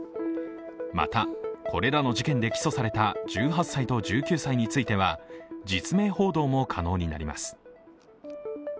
また、これらの事件で起訴された１８歳と１９歳については実名報道も可能になります。